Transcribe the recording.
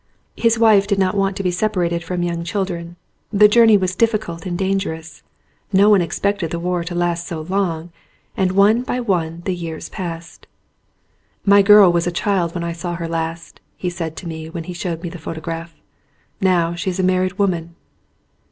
His wife did not want to be sepa rated from young children, the journey was diffi cult and dangerous, no one expected the war to last so long, and one by one the years passed. "My girl was a child when I saw her last," he said to me when he showed me the photograph. "Now she's a married woman."